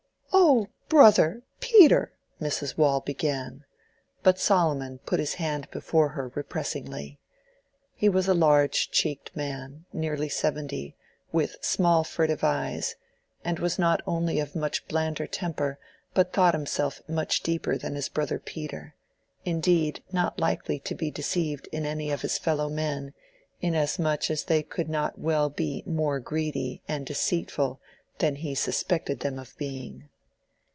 "Oh, Brother. Peter," Mrs. Waule began—but Solomon put his hand before her repressingly. He was a large cheeked man, nearly seventy, with small furtive eyes, and was not only of much blander temper but thought himself much deeper than his brother Peter; indeed not likely to be deceived in any of his fellow men, inasmuch as they could not well be more greedy and deceitful than he suspected them of being.